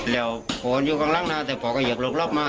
แล้วผู้คนอยู่ข้างหลังนะแต่พ่อก็เหยียบลงรอบมา